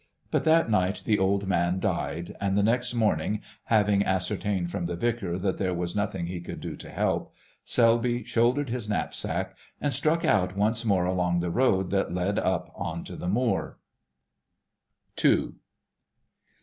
But that night the old man died, and the next morning, having ascertained from the vicar that there was nothing he could do to help, Selby shouldered his knapsack and struck out once more along the road that led up on to the moor. *II.